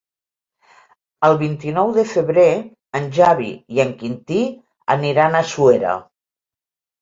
El vint-i-nou de febrer en Xavi i en Quintí aniran a Suera.